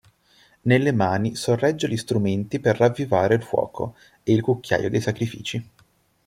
Nelle mani sorregge gli strumenti per ravvivare il fuoco, e il cucchiaio dei sacrifici.